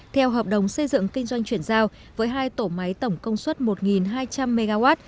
theo hợp đồng xây dựng kinh doanh chuyển giao với hai tổ máy tổng công suất một hai trăm linh mw